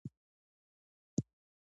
ملک صاحب خو نن شپه بیا ډېر ټوخ ټوخ کاوه